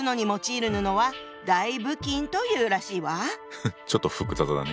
フッちょっと複雑だね。